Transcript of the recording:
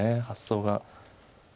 発想が。